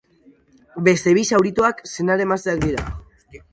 Beste bi zaurituak senar-emazteak dira.